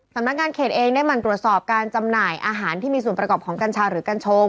สำนักงานเขตเองได้หมั่นตรวจสอบการจำหน่ายอาหารที่มีส่วนประกอบของกัญชาหรือกัญชง